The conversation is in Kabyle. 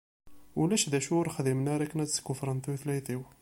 Ulac d acu ur xdimen ara akken ad skuffren tutlayt-iw.